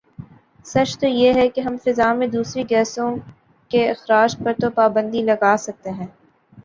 سچ تو یہ ہے کہ ہم فضا میں دوسری گیسوں کے اخراج پر تو پابندی لگاسکتے ہیں